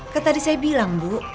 ketadi saya bilang bu